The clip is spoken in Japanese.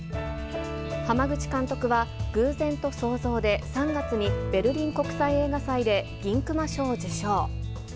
濱口監督は、偶然と想像で、３月にベルリン国際映画祭で、銀熊賞を受賞。